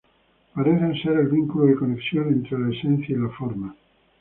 Parecen ser el vínculo de conexión entre la esencia y la forma.